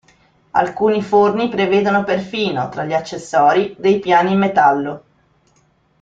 Alcuni forni prevedono perfino, tra gli accessori, dei piani in metallo.